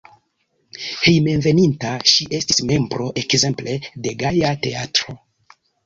Hejmenveninta ŝi estis membro ekzemple de Gaja Teatro.